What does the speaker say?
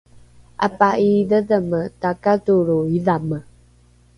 apa’iidhedheme takatolro idhamae